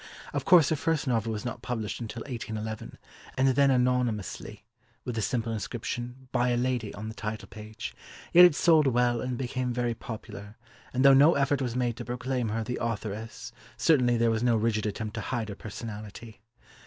Of course her first novel was not published until 1811, and then anonymously, with the simple inscription "By a Lady" on the title page, yet it sold well and became very popular, and though no effort was made to proclaim her the authoress certainly there was no rigid attempt to hide her personality.